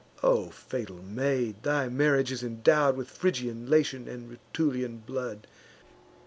O fatal maid, thy marriage is endow'd With Phrygian, Latian, and Rutulian blood!